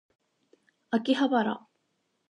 秋葉原